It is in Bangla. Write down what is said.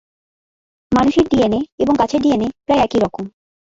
মানুষের ডিএনএ এবং গাছের ডিএনএ প্রায় একই রকম।